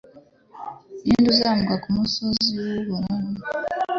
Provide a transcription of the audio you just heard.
Ni nde uzazamuka ku musozi w’Uhoraho